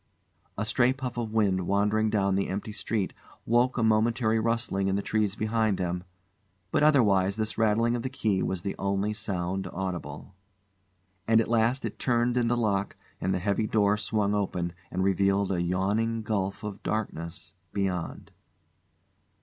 A stray puff of wind wandering down the empty street woke a momentary rustling in the trees behind them, but otherwise this rattling of the key was the only sound audible; and at last it turned in the lock and the heavy door swung open and revealed a yawning gulf of darkness beyond.